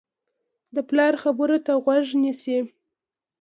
د پلار خبرو ته غوږ نیسي.